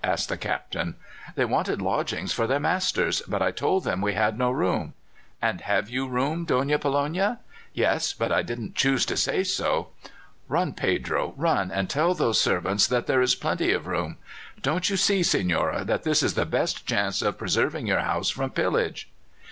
asked the Captain. "They wanted lodgings for their masters, but I told them we had no room." "And have you room, Donna Pollonia?" "Yes; but I didn't choose to say so." "Run, Pedro, run and tell those servants that there is plenty of room. Don't you see, señora, that this is the best chance of preserving your house from pillage?"